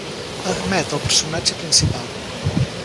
Ahmed: el personatge principal.